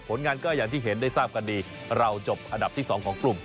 งานก็อย่างที่เห็นได้ทราบกันดีเราจบอันดับที่๒ของกลุ่ม